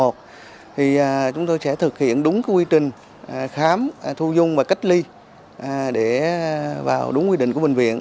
thì chúng tôi sẽ thực hiện đúng quy trình khám thu dung và cách ly để vào đúng quy định của bệnh viện